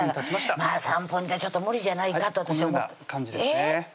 まぁ３分じゃちょっと無理じゃないかと私はこのような感じですねえっ⁉